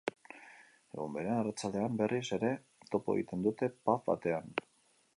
Egun berean, arratsaldean, berriz ere topo egiten dute pub batean.